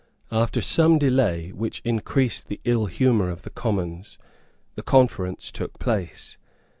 After some delay, which increased the ill humour of the Commons, the conference took place.